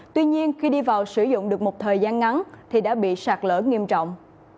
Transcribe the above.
tuy nhiên khi đi vào sử dụng được một thời gian ngắn thì đã bị sạt lở nghiêm trọng